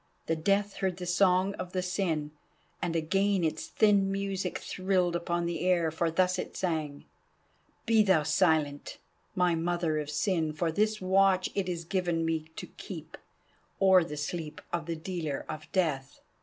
The Death heard the song of the Sin, and again its thin music thrilled upon the air. For thus it sang: "Be thou silent, my Mother of Sin, for this watch it is given me to keep O'er the sleep of the dealer of Death!"